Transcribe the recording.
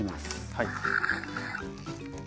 はい。